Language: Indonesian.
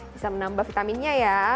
bisa menambah vitaminnya ya